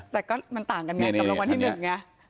แต่ก็มันต่างกันไงกับรางวัลที่๑ไง